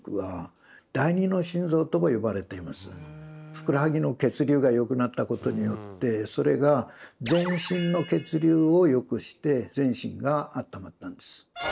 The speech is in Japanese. ふくらはぎの血流がよくなったことによってそれが全身の血流をよくして全身があったまったんです。